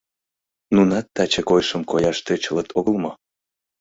Нунат каче койышым кояш тӧчылыт огыл мо?